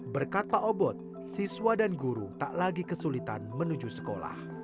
berkat pak obot siswa dan guru tak lagi kesulitan menuju sekolah